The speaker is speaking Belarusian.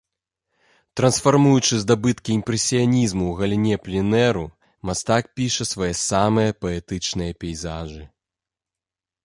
Трансфармуючы здабыткі імпрэсіянізму ў галіне пленэру, мастак піша свае самыя паэтычныя пейзажы.